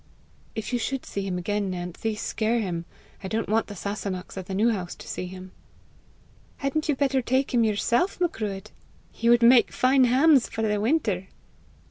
"If you should see him again, Nancy, scare him. I don't want the Sasunnachs at the New House to see him." "Hadn't you better take him yourself, Macruadh? He would make fine hams for the winter!"